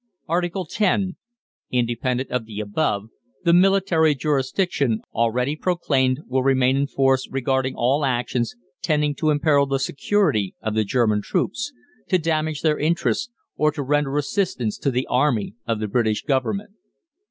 Article X. Independent of the above, the military jurisdiction already proclaimed will remain in force regarding all actions tending to imperil the security of the German troops, to damage their interests, or to render assistance to the Army of the British Government.